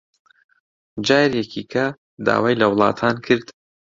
جارێکی کە داوای لە وڵاتان کرد